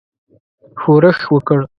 ښورښ وکړ.